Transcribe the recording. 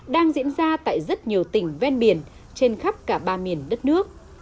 đang diễn ra tại rất nhiều tỉnh ven biển trên khắp cả ba miền đất nước